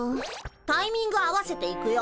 タイミング合わせていくよ。